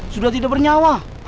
sudah tidak bernyawa